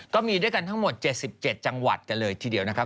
ก็มีด้วยกันทั้งหมด๗๗จังหวัดกันเลยทีเดียวนะครับ